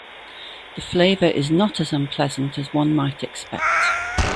The flavor is not as unpleasant as one might expect.